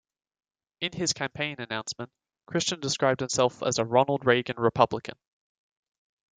In his campaign announcement, Christian described himself as a "Ronald Reagan Republican".